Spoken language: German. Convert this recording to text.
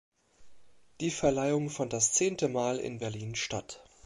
Die Verleihung fand das zehnte Mal in Berlin statt.